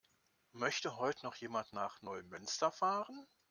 Möchte heute noch jemand nach Neumünster fahren?